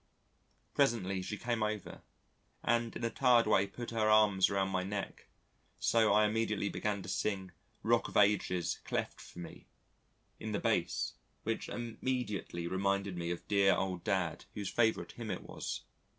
Presently she came over and in a tired way put her arms around my neck so I immediately began to sing "Rock of Ages, cleft for me," in the bass, which immediately reminded me of dear old Dad, whose favourite hymn it was....